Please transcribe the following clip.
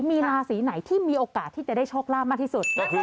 มีราศีไหนที่มีโอกาสที่จะได้โชคลาภมากที่สุด